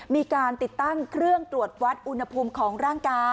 มีการติดตั้งเครื่องตรวจวัดอุณหภูมิของร่างกาย